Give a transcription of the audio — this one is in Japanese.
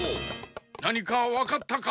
なにかわかったか？